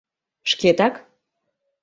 Шкетак...